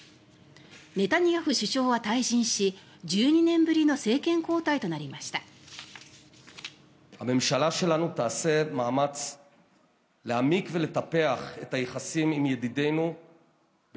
ネタニヤフ首相は退陣し１２年ぶりの政権交代となりました。